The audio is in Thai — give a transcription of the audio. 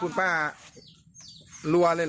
คุณป้ารัวเลยเหรอ